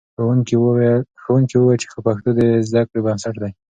ښوونکي وویل چې پښتو د زده کړې بنسټ دی.